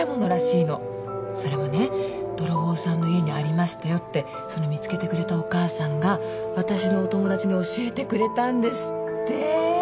それもね「泥棒さんの家にありましたよ」ってその見つけてくれたお母さんがわたしのお友達に教えてくれたんですって。